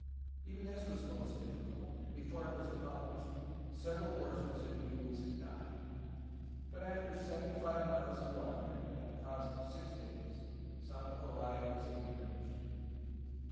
Even this was most difficult, and before it was accompUshed several horses and mules had died. But after seventy five miles of wandering, at the cost of six days, Santa Olaya was again reached.